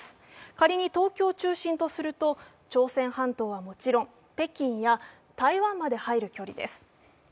仮に東京を中心とすると朝鮮半島はもちろん北京や台湾まで入る距離です。